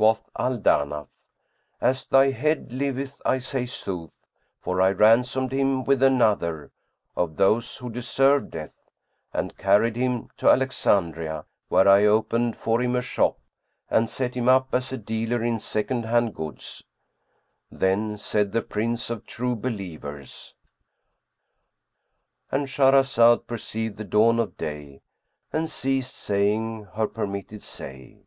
Quoth Al Danaf, "As thy head liveth I say sooth; for I ransomed him with another, of those who deserved death; and carried him to Alexandria, where I opened for him a shop and set him up as a dealer in second hand goods." Then said the Prince of True Believers,—And Shahrazad perceived the dawn of day and ceased saying her permitted say.